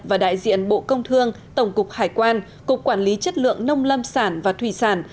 và đại diện bộ công thương tổng cục hải quan cục quản lý chất lượng nông lâm sản và thủy sản